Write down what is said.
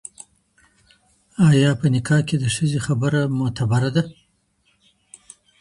ايا په نکاح کي د ښځي خبره معتبره ده؟